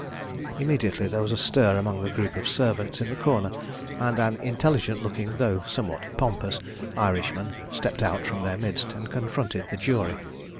Immediately there was a stir among the group of servants in the corner, and an intelligent looking, though somewhat pompous, Irishman stepped out from their midst and confronted the jury.